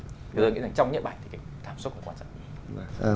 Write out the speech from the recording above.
thì tôi nghĩ rằng trong những bảnh thì cái cảm xúc của quan sát